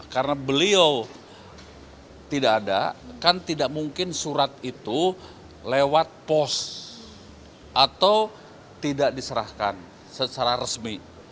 karena beliau tidak ada kan tidak mungkin surat itu lewat pos atau tidak diserahkan secara resmi